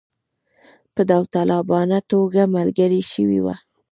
په داوطلبانه توګه ملګري شوي وه.